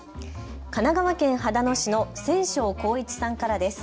神奈川県秦野市の仙翔弘一さんからです。